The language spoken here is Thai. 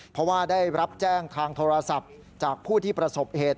เพราะว่าได้รับแจ้งทางโทรศัพท์จากผู้ที่ประสบเหตุ